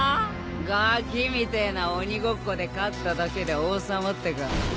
ガキみてえな鬼ごっこで勝っただけで王様ってか？